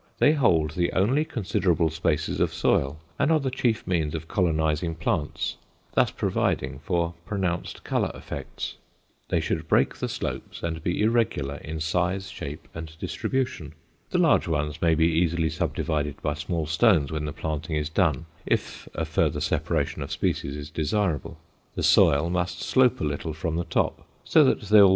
They hold the only considerable spaces of soil and are the chief means of colonizing plants, thus providing for pronounced color effects. They should break the slopes and be irregular in size, shape, and distribution. The large ones may be easily subdivided by small stones when the planting is done if a further separation of species is desirable. The soil must slope a little from the top, so that there will be no standing water.